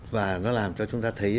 và nó làm cho chúng ta thấy